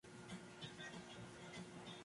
El lema de Júpiter es “Let’s Play!